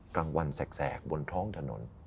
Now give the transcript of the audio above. กลางวันแสกบนท้องถนน